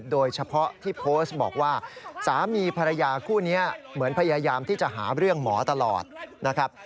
โดยเฉพาะที่โพสต์บอกว่าสามีภรรยาคู่นี้เหมือนพยายามที่จะหาเรื่องหมอตลอดนะครับ